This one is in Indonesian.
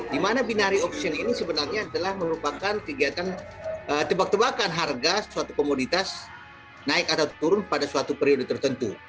dimana binari option ini sebenarnya adalah merupakan kegiatan tebak tebakan harga suatu komoditas naik atau turun pada suatu periode tertentu